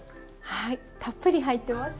はいたっぷり入ってます。